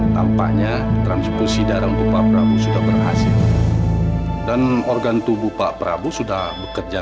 tampaknya transkursi darah bapak prabu sudah berhasil dan organ tubuh pak prabu sudah bekerja